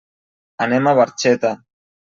Anem a Barxeta.